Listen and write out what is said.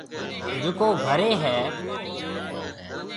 جڪو گهريَ هيَ۔